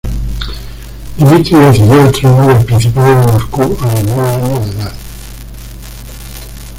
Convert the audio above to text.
Dmitri accedió al trono del principado de Moscú a los nueve años de edad.